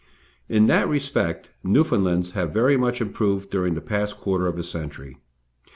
In that respect Newfoundlands have very much improved during the past quarter of a century.